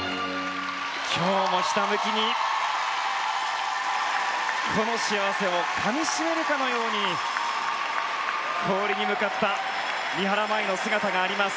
今日もひたむきにこの幸せをかみしめるかのように氷に向かった三原舞依の姿があります。